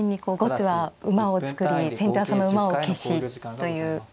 永遠にこう後手は馬を作り先手はその馬を消しという。